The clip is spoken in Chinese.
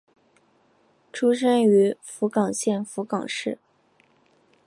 出身于福冈县福冈市。